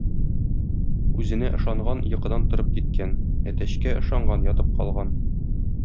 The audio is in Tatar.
Үзенә ышанган — йокыдан торып киткән, әтәчкә ышанган ятып калган.